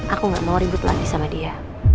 aku gak mau ribut lagi sama dia